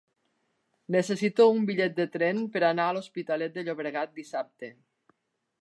Necessito un bitllet de tren per anar a l'Hospitalet de Llobregat dissabte.